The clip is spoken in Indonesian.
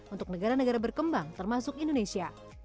untuk negara negara berkembang termasuk indonesia